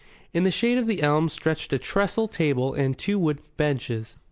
In the shade of the elm stretched a trestle table and two wooden benches.